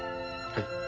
はい。